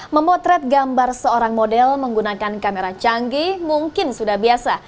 memotret gambar seorang model menggunakan kamera canggih mungkin sudah biasa